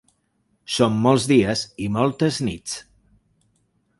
Són molts dies i moltes nits.